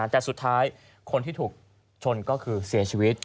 แต่สุดท้ายคนที่ถูกชนก็คือเสียชีวิต